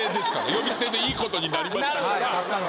呼び捨てでいいことになりましたから。